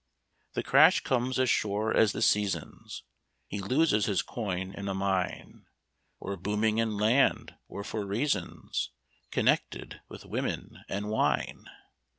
The crash comes as sure as the seasons; He loses his coin in a mine, Or booming in land, or for reasons Connected with women and wine.